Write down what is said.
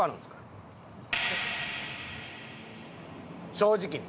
正直に。